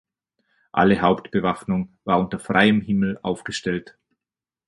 Alle Hauptbewaffnung war unter freiem Himmel aufgestellt.